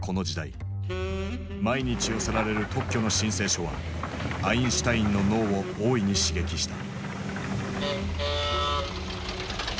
毎日寄せられる特許の申請書はアインシュタインの脳を大いに刺激した。